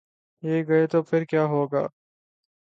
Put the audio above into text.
یہ گئے تو پھر کیا ہو گا؟